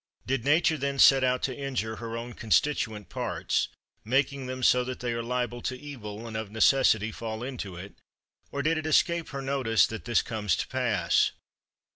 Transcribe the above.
Did Nature then set out to injure her own constituent parts, making them so that they are liable to evil and of necessity fall into it; or did it escape her notice that this comes to pass?